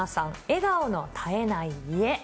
笑顔の絶えない家。